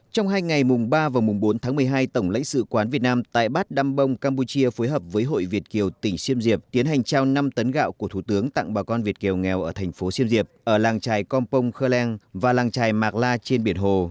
trong hai ngày mùng ba và mùng bốn tháng một mươi hai tổng lãnh sự quán việt nam tại bát đam bông campuchia phối hợp với hội việt kiều tỉnh siêm diệp tiến hành trao năm tấn gạo của thủ tướng tặng bà con việt kiều nghèo ở thành phố siêm diệp ở làng trài compong kheng và làng trài mạc la trên biển hồ